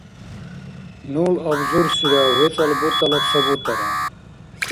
нул абзурсира вецӀал бутӀала ца бутӀара